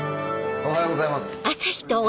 おはようございます。